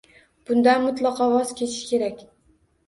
Bundan mutlaqo voz kechish kerak.